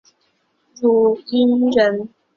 汝阴人。